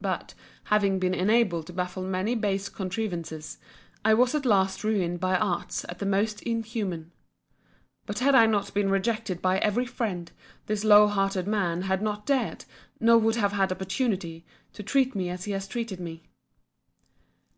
But (having been enabled to baffle many base contrivances) I was at last ruined by arts the most inhuman. But had I not been rejected by every friend, this low hearted man had not dared, nor would have had opportunity, to treat me as he has treated me.